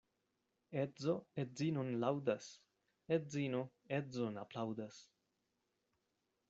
Edzo edzinon laŭdas, edzino edzon aplaŭdas.